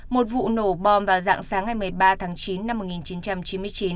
một vụ nổ bom vào dạng sáng ngày một mươi ba tháng chín năm một nghìn chín trăm chín mươi chín